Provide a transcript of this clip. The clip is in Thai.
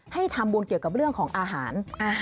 ให้ทำบุญเกี่ยวกับเรื่องของอาหาร